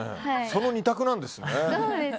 その２択なんですね。